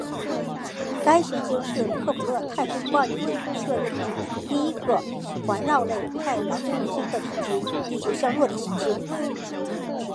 该行星是克卜勒太空望远镜确认第一个环绕类太阳恒星的体积与地球相若的行星。